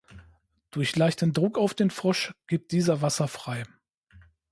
Durch leichten Druck auf den Frosch gibt dieser Wasser frei.